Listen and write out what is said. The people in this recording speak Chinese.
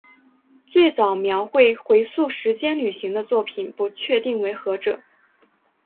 最早描绘回溯时间旅行的作品不确定为何者。